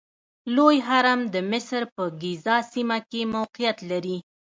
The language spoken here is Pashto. لوی هرم د مصر په ګیزا سیمه کې موقعیت لري.